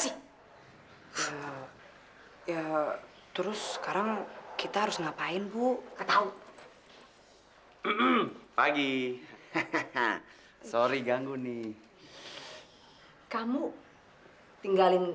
sampai jumpa di video selanjutnya